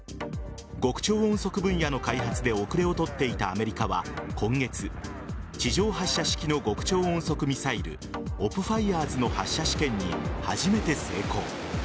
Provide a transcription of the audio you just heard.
極超音速分野の開発で後れを取っていたアメリカは今月、地上発射式の極超音速ミサイルＯｐＦｉｒｅｓの発射試験に初めて成功。